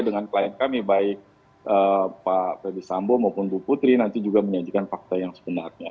dengan klien kami baik pak ferdis sambo maupun bu putri nanti juga menyajikan fakta yang sebenarnya